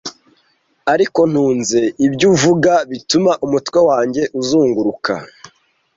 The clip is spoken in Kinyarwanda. Ariko ntunze ibyo uvuga bituma umutwe wanjye uzunguruka.